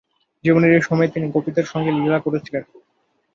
জীবনের এই সময়েই তিনি গোপীদের সঙ্গে লীলা করেছিলেন।